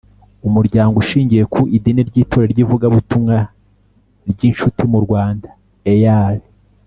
Umuryango ushingiye ku Idini ry’Itorero ry ‘Ivugabutumwa ry Inshuti mu Rwanda E A R.